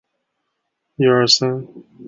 遗体于火化后迁往美国旧金山寓所。